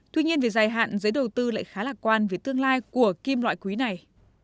tuy nhiên về dài hạn giấy đầu tư lại khá lạc quan về tương lai của kim loại quý này